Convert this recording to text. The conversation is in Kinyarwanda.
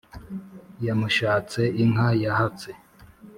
yamushatse inka yahatse,